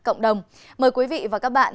cộng đồng mời quý vị và các bạn